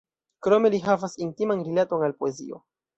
Krome li havas intiman rilaton al poezio.